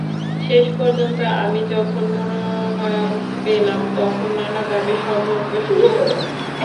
শেষ পর্যন্ত আমি যখন মনোনয়ন পেলাম তখন নানাভাবে ষড়যন্ত্র শুরু হলো।